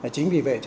chính vì vậy